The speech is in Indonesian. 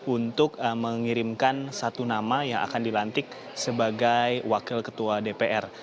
untuk mengirimkan satu nama yang akan dilantik sebagai wakil ketua dpr